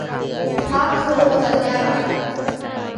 พระครูสัญญาบัตร